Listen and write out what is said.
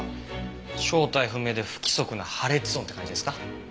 正体不明で不規則な破裂音って感じですか。